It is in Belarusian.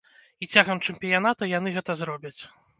І цягам чэмпіяната яны гэта зробяць.